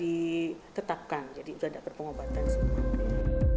ditetapkan jadi sudah dapat pengobatan semua